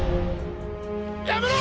やめろ！！